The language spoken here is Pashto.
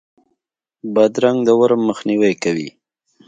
بادرنګ د ورم مخنیوی کوي.